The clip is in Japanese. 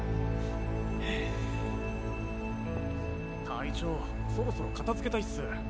隊長そろそろ片付けたいっす。